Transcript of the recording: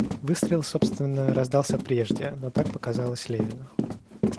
Выстрел, собственно, раздался прежде, но так показалось Левину.